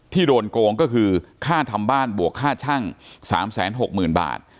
โดนโกงก็คือค่าทำบ้านบวกค่าช่าง๓๖๐๐๐บาท